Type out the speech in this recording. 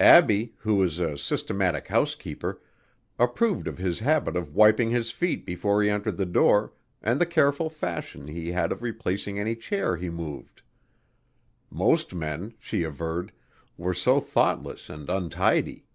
Abbie, who was a systematic housekeeper, approved of his habit of wiping his feet before he entered the door and the careful fashion he had of replacing any chair he moved; most men, she averred, were so thoughtless and untidy.